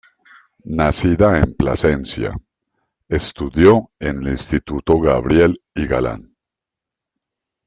Nacida en Plasencia, estudió en el Instituto Gabriel y Galán.